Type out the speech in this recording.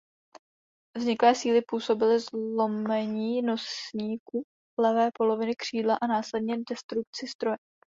Vzniklé síly způsobily zlomení nosníku levé poloviny křídla a následně destrukci stroje.